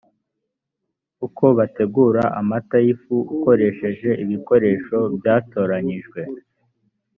uko bategura amata y ifu akoresheje ibikoresho byatoranyijwe